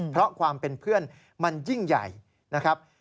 เพราะความเป็นเพื่อนมันยิ่งใหญ่นะครับ